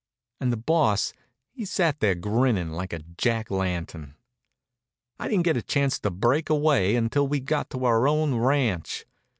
And the Boss he sat there grinnin' like a Jack lantern. I didn't get a chance to break away until we got to our own ranch.